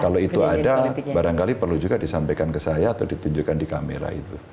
kalau itu ada barangkali perlu juga disampaikan ke saya atau ditunjukkan di kamera itu